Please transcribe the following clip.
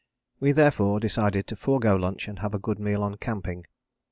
We, therefore, decided to forgo lunch and have a good meal on camping.